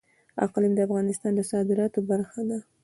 اقلیم د افغانستان د صادراتو برخه ده.